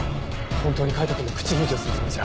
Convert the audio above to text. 本当に海斗くんの口封じをするつもりじゃ！？